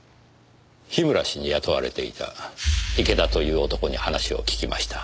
樋村氏に雇われていた池田という男に話を聞きました。